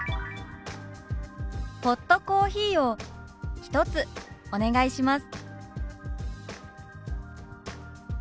「ホットコーヒーを１つお願いします」。